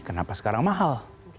kenapa sekarang mahal